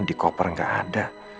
di koper gak ada